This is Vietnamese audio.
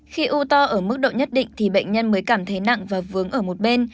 khi u to ở mức độ nhất định thì bệnh nhân mới cảm thấy nặng và vướng ở một bên